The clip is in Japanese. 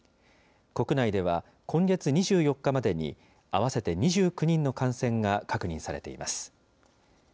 国内では今月２４日までに、合わせて２９人の感染が確認されています。